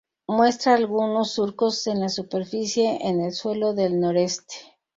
Muestra algunos surcos en la superficie en el suelo del noreste.